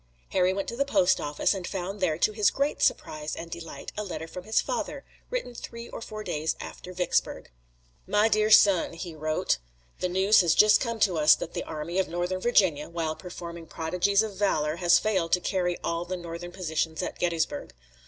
Harry went to the post office, and found there, to his great surprise and delight, a letter from his father, written three or four days after Vicksburg. My dear son: [he wrote] The news has just come to us that the Army of Northern Virginia, while performing prodigies of valor, has failed to carry all the Northern positions at Gettysburg.